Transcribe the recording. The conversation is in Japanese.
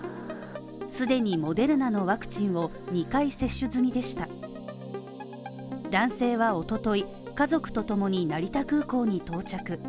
既にモデルナのワクチンを２回接種済みでした男性はおととい家族とともに成田空港に到着。